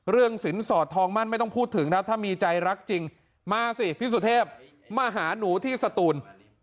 สินสอดทองมั่นไม่ต้องพูดถึงครับถ้ามีใจรักจริงมาสิพี่สุเทพมาหาหนูที่สตูน